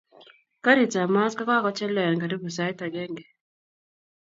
karit ab mat kakakocheleean karibu saait angengee.